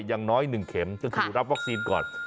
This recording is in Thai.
อย่างน้อย๑เข็มก็คือรับวัคซีนก่อน